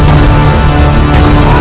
tidak ada endgame